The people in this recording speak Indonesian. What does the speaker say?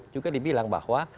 juga dibilang bahwa